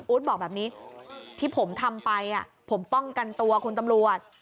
บอกแบบนี้ที่ผมทำไปผมป้องกันตัวคุณตำรวจ